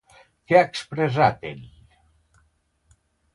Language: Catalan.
Què ha expressat ell?